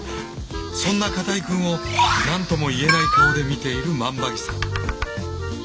そんな片居くんを何とも言えない顔で見ている万場木さん。